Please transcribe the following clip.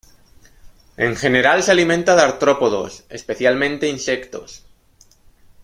En general se alimenta de artrópodos, especialmente insectos.